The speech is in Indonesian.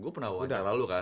gue pernah wawancara lalu kan